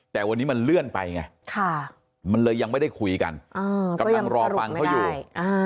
แต่วันนี้มันเลื่อนไปไงมันเลยยังไม่ได้คุยกันกำลังรอฟังเขาอยู่